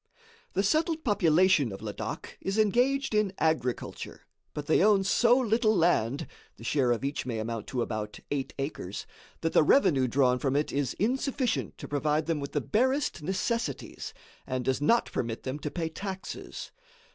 The settled population of Ladak is engaged in agriculture, but they own so little land (the share of each may amount to about eight acres) that the revenue drawn from it is insufficient to provide them with the barest necessities and does not permit them to pay taxes.